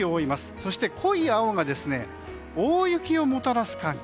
そして、濃い青が大雪をもたらす寒気。